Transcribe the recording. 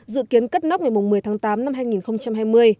dự kiến cất nóc ngày một mươi tháng tám năm hai nghìn hai mươi